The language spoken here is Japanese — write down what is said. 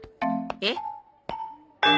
えっ？